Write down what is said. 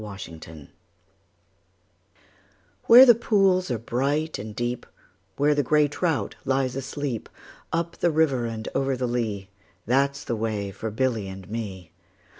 A Boy's Song WHERE the pools are bright and deep, Where the grey trout lies asleep, Up the river and over the lea, That 's the way for Billy and me.